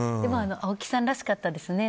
青木さんらしかったですね。